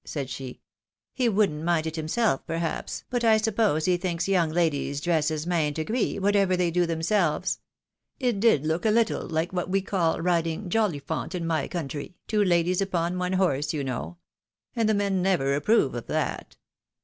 " said she, " he wouldn't mind it himself, perhaps, but I suppose he thinks young ladies' dresses mayn't agree, whatever they do themselves — it 'did look a little hke what we call riding Jolliphant in my country, two ladies upon one horse, you know — and the men never approve of that.